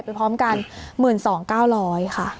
พร้อมกัน๑๒๐๐๙๐๐ค่ะ